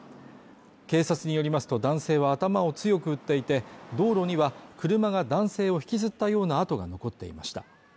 警察によりますと男性は頭を強く打っていて、道路には車が男性を引きずったような跡が残っていました。